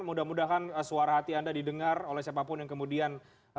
mudah mudahan suara hati anda didengar oleh siapapun yang kemudian